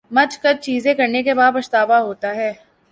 مچھ کچھ چیزیں کرنے کے بعد پچھتاوا ہوتا ہے